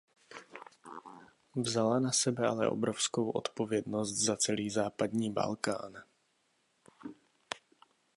Vzala na sebe ale obrovskou odpovědnost za celý západní Balkán.